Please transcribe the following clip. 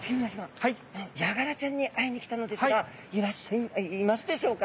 ヤガラちゃんに会いに来たのですがいますでしょうか。